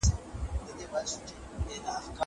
کالي د مور له خوا مينځل کيږي.